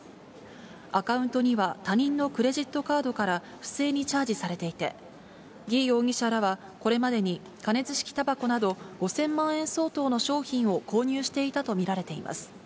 アカウントには他人のクレジットカードから不正にチャージされていて、魏容疑者らはこれまでに加熱式たばこなど５０００万円相当の商品を購入していたと見られています。